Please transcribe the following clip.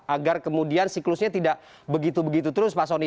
agar kemudian siklusnya tidak begitu begitu terus pak soni